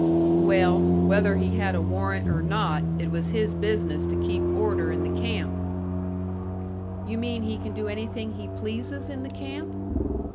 "Well, whether he had a warrant or not, it was his business to keep order in the camp." "You mean he can do anything he pleases in the camp?"